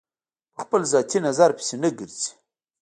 په خپل ذاتي نظر پسې نه ګرځي.